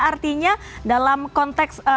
artinya dalam konteks